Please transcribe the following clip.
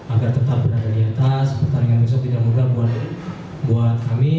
agar tetap berada di atas pertandingan besok tidak mudah buat kami